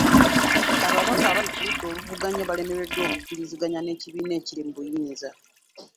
Ababaka abali ku ludda oluvuganya baalemeddwa okukkiriziganya n'ekibiina ekiri mu buyinza.